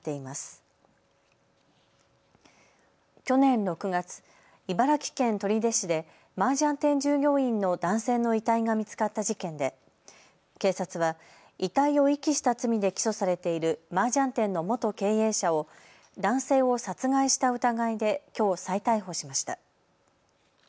去年６月、茨城県取手市でマージャン店従業員の男性の遺体が見つかった事件で警察は遺体を遺棄した罪で起訴されているマージャン店の元経営者を男性を殺害した疑いできょう再逮捕しました。